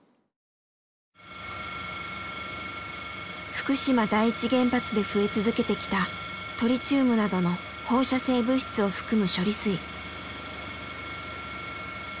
福島第一原発で増え続けてきたトリチウムなどの放射性物質を含む処理水。